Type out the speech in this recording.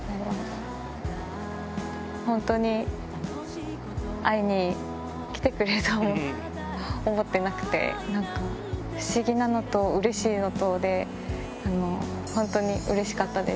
本当に会いに来てくれると思ってなくて、なんか不思議なのと、うれしいのとで、本当にうれしかったです。